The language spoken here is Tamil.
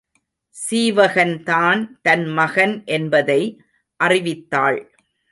சீவகன்தான் தன் மகன் என்பதை அறிவித்தாள்.